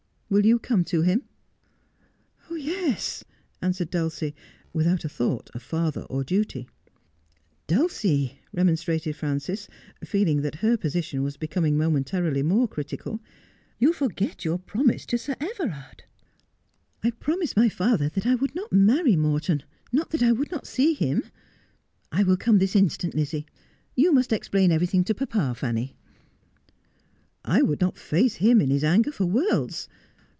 Will you come to him i '' Yes,' answered Dulcie, without a thought of father or duty. ' Dulcie, 1 remonstrated Frances, feeling that her position was becoming momentarily more critical, ' you forget your rjroniise to Sir Everard.' ' I promised my father that I would not marry Morton, not that I would not see him. I will come this instant, Lizzie. You must explain everything to papa, Fanny.' ' I would not face him in his anger for worlds.